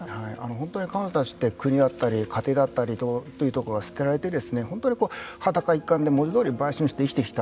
本当に彼女たちって家庭だったりというところから捨てられて本当に裸一貫で文字どおり売春して生きてきた